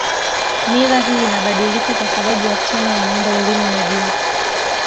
Mila hii inabadilika kwa sababu wasichana wanaenda elimu ya juu